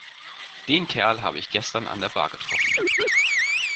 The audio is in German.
Den Kerl habe ich gestern an der Bar getroffen.